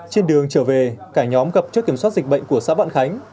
trên đường trở về cả nhóm gặp trước kiểm soát dịch bệnh của xã vạn khánh